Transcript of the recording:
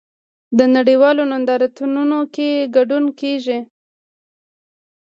په نړیوالو نندارتونونو کې ګډون کیږي